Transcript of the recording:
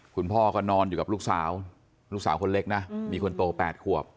คุณพ่อก็นอนอยู่กับลูกสาวลูกสาวคนเล็กนะมีคนโต๘ขวบ